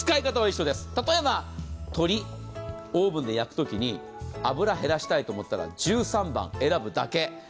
例えば鶏、オ−ブンで焼くときに脂を減らしたいと思ったら１３番を選ぶだけ。